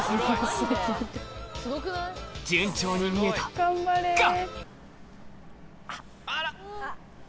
順調に見えたが！